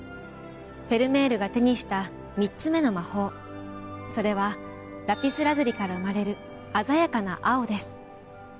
フェルメールが手にした３つ目の魔法それはラピスラズリから生まれる鮮やかな青です。